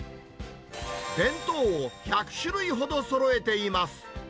弁当を１００種類ほどそろえています。